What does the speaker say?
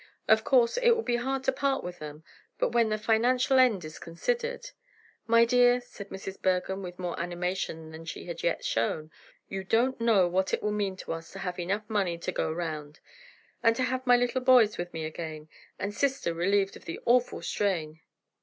Of course, it will be hard to part with them, but when the financial end is considered——" "My dear," said Mrs. Bergham, with more animation than she had yet shown, "you don't know what it will mean to us to have enough money to go 'round! And to have my little boys with me again, and sister relieved of the awful strain!"